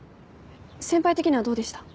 先輩的にはどうでした？